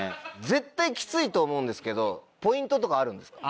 絶対キツいと思うんですけどポイントとかあるんですか？